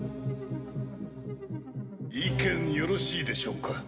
意見よろしいでしょうか？